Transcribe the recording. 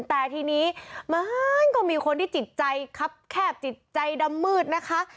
แต่ทีนี้มันก็มีคนที่จิตใจครับแคบจิตใจดำมืดนะคะ